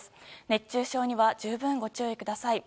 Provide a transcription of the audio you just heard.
熱中症には十分ご注意ください。